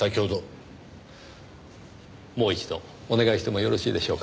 もう一度お願いしてもよろしいでしょうか？